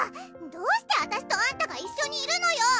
どうして私とあんたが一緒にいるのよ